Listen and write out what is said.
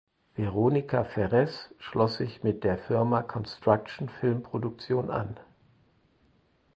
Veronica Ferres schloss sich mit der Firma Construction Filmproduktion an.